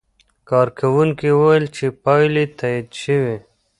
کارکوونکي وویل چې پایلې تایید شوې.